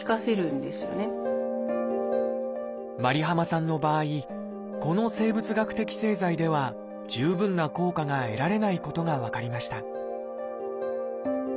ｍａｒｉｈａｍａさんの場合この生物学的製剤では十分な効果が得られないことが分かりました